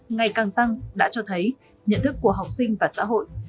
ngày càng tăng đã cho thấy nhận thức của học sinh và xã hội